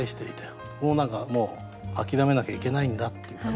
この何かもう諦めなきゃいけないんだっていうか